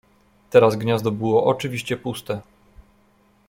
Teraz gniazdo było, oczywiście, puste.